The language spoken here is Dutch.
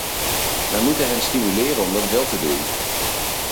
Wij moeten hen stimuleren om dat wel te doen.